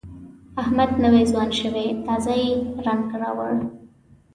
احمد نوی ځوان شوی، تازه یې رنګ راوړ.